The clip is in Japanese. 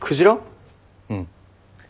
うん。